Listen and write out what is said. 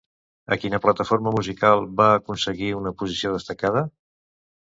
A quina plataforma musical va aconseguir una posició destacada?